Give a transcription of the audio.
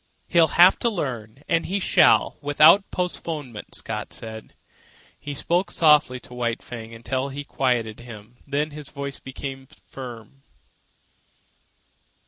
"He'll have to learn, and he shall, without postponement," Scott said. He spoke softly to White Fang until he had quieted him, then his voice became firm.